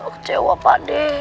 kecewa pak d